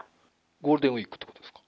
ゴールデンウィークっていうことですか？